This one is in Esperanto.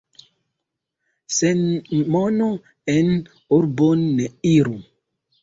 Sen mono en urbon ne iru.